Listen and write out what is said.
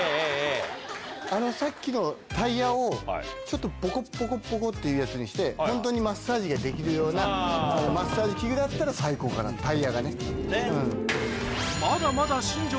あのさっきのタイヤをちょっとボコっボコっボコっていうやつにしてホントにマッサージができるようなマッサージ器具だったら最高かなタイヤがね。